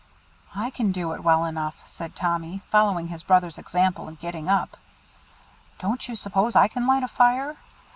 "I can do it well enough," said Tommy, following his brother's example and getting up. "Don't you suppose I can light a fire?